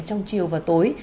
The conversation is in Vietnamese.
trong chiều và tối